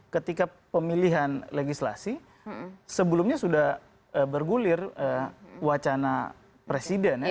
ketika pemilihan legislasi sebelumnya sudah bergulir wacana presiden ya